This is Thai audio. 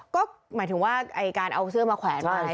ก็หมายถึงว่าไอ้การเอาเสื้อมาแขวนไว้ใช่ไหม